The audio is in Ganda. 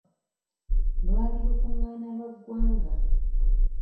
Lwali lukungaana lwa ggwanga..